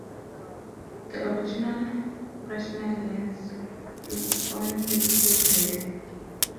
The original Fresnel lens is on display there.